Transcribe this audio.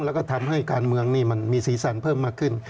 แล้วก็ทำให้การเมืองนี่มันมีสีสันเพิ่มมากขึ้น